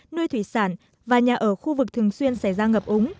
nuôi thủy sản và nhà ở khu vực thường xuyên xảy ra ngập úng